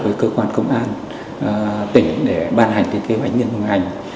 với cơ quan công an tỉnh để ban hành kế hoạch nghiên cứu ngành